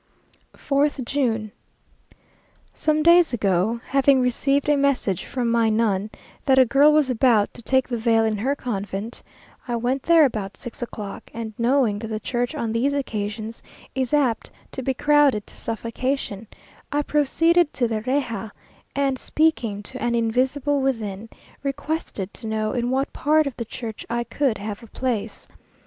4th June. Some days ago, having received a message from my nun that a girl was about to take the veil in her convent, I went there about six o'clock, and knowing that the church on these occasions is apt to be crowded to suffocation, I proceeded to the reja, and speaking to an invisible within, requested to know in what part of the church I could have a place.